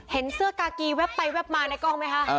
เห็นเสื้อกากีแว๊บไปแวบมาในกล้องไหมคะ